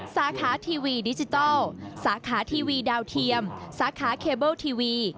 สาขาทีวีดิจิทัลสาขาทีวีดาวเทียมสาขาเคเบิลทีวี